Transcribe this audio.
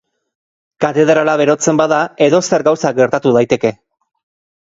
Katedrala berotzen bada edozer gauza gertatu daiteke.